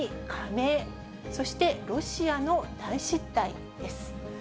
そしてロシアの大失態？です。